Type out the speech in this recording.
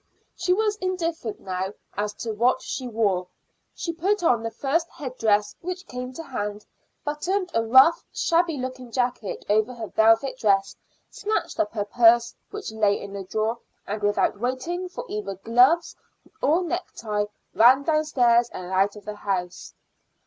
She was indifferent now as to what she wore. She put on the first head dress which came to hand, buttoned a rough, shabby looking jacket over her velvet dress, snatched up her purse which lay in a drawer, and without waiting for either gloves or necktie, ran downstairs and out of the house.